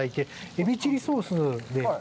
エビチリソースで。